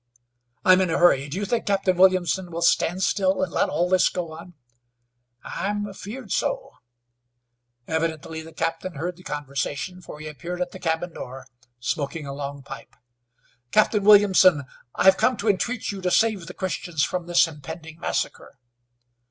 "I'm in a hurry. Do you think Captain Williamson will stand still and let all this go on?" "I'm afeerd so." Evidently the captain heard the conversation, for he appeared at the cabin door, smoking a long pipe. "Captain Williamson, I have come to entreat you to save the Christians from this impending massacre."